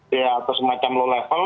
ya atau semacam lolos